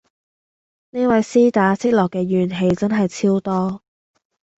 呢位絲打積落嘅怨氣真係超多